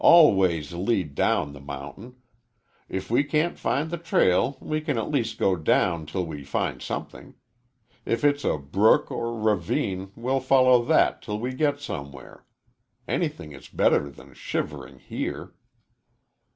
"All ways lead down the mountain. If we can't find the trail we can at least go down till we find something. If it's a brook or ravine we'll follow that till we get somewhere. Anything is better than shivering here."